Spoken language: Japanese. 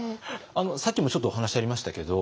さっきもちょっとお話ありましたけど